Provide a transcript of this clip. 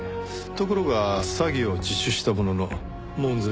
ところが詐欺を自首したものの門前払い。